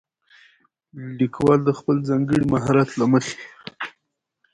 ليکوال د خپل ځانګړي مهارت له مخې